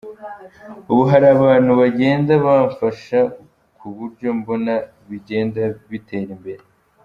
Ubu hari abantu bagenda bamfasha ku buryo mbona bigenda bitera imbere.